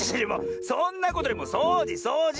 そんなことよりもそうじそうじ！